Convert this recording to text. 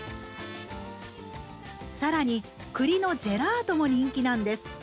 更にくりのジェラートも人気なんです。